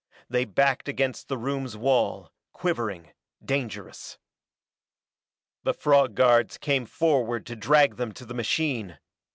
They backed against the room's wall, quivering, dangerous. The frog guards came forward to drag them to the machine.